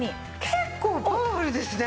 結構パワフルですね。